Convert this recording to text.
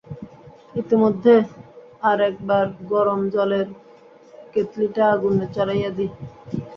ইতিমধ্যে আর-এক বার গরম জলের কাৎলিটা আগুনে চড়াইয়া দিই।